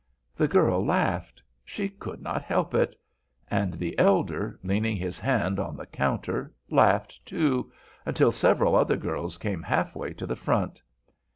The girl laughed. She could not help it. And the elder, leaning his hand on the counter, laughed, too, until several other girls came half way to the front.